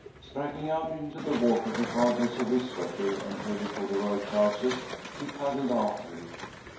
Striking out into the water regardless of his sweater and heavy corduroy trousers, he paddled after it.